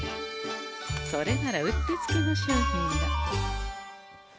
それならうってつけの商品が。